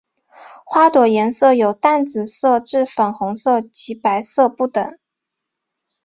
花朵颜色由淡紫色至粉红色及白色不等。